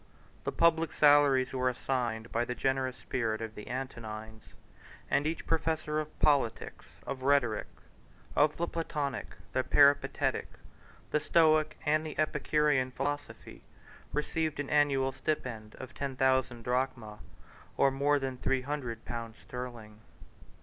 The public salaries were assigned by the generous spirit of the Antonines; and each professor of politics, of rhetoric, of the Platonic, the Peripatetic, the Stoic, and the Epicurean philosophy, received an annual stipend of ten thousand drachmae, or more than three hundred pounds sterling.